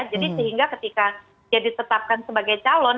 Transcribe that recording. jadi sehingga ketika dia ditetapkan sebagai calon